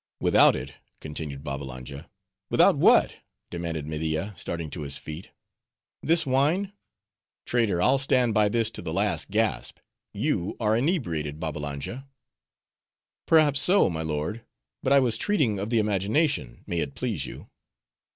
"Without it—" continued Babbalanja. "Without what?" demanded Media, starting to his feet. "This wine? Traitor, I'll stand by this to the last gasp, you are inebriated, Babbalanja." "Perhaps so, my lord; but I was treating of the imagination, may it please you."